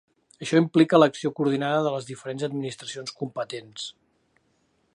Això implica l'acció coordinada de les diferents administracions competents.